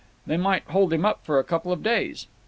They might hold him up for a couple of days.